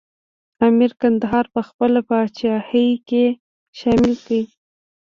امیر کندهار په خپله پاچاهۍ کې شامل کړ.